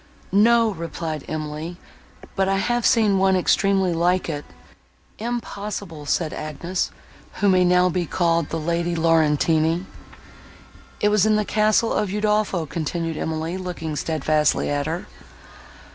"No," replied Emily, "but I have seen one extremely like it." "Impossible," said Agnes, who may now be called the Lady Laurentini. "It was in the castle of Udolpho," continued Emily, looking steadfastly at her.